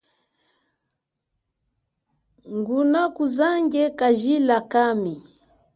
Ngunakuzange kajila kami.